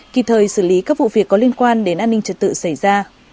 kịp thời xử lý các vụ việc có liên quan đến an ninh trật tự xảy ra